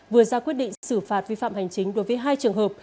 vừa ra quyết định xử phạt vi phạm hành chính đối với hai trường hợp